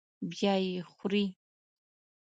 بیا یې خوري.